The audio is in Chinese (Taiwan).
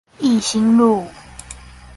一心路